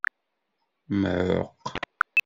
Mɛuqq.